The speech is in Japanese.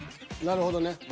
なるほどね。